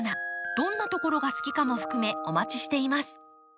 どんなところが好きかも含めお待ちしています。